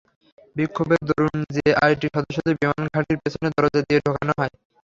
বিক্ষোভের দরুন জেআইটি সদস্যদের বিমান ঘাঁটির পেছনের দরজা দিয়ে ঢোকানো হয়।